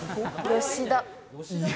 吉田。